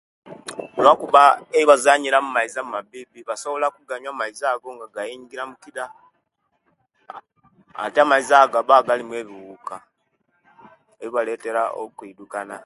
Luwakuba eibazanyira mumaizi amabibi basobola okunyuwa amiazi ago nga gayingira mukida ate amaizi ago gaba galimu ebibuka ebibaletera okwidukana